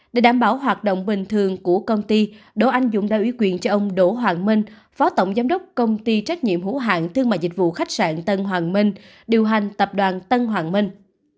để đảm bảo hoạt động bình thường của công ty đỗ anh dũng đã ủy quyền cho ông đỗ hoàng minh phó tổng giám đốc công ty trách nhiệm hữu hạng thương mại dịch vụ khách sạn tân hoàng minh điều hành tập đoàn tân hoàng minh